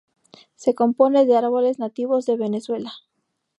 Se compone de árboles nativos de Venezuela.